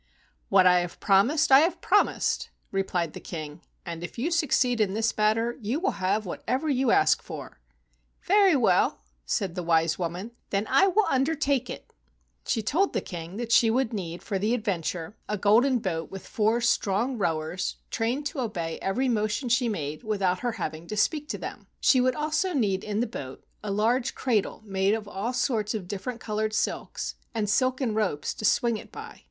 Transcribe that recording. "What I have promised I have promised," replied the King, " and if you succeed in this matter you shall have whatever you ask for." "Very well," said the wise woman, "then I will undertake it." She then told the King that she would need, for the adventure, a golden boat with four strong rowers trained to obey 45 THE WONDERFUL RING every motion she made without her having to speak to them. She also would need in the boat a large cradle made of all sorts of different colored silks, and silken ropes to swing it by.